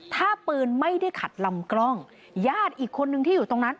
ถ้าปืนไม่ได้ขัดลำกล้องญาติอีกคนนึงที่อยู่ตรงนั้น